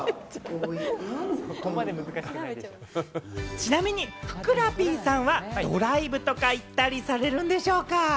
ちなみに、ふくらＰさんはドライブとか行ったりされるんでしょうか？